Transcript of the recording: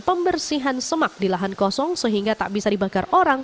pembersihan semak di lahan kosong sehingga tak bisa dibakar orang